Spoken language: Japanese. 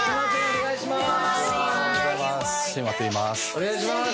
お願いします。